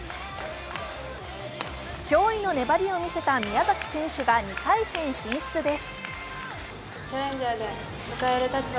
驚異の粘りをみせた宮崎選手が２回戦進出です。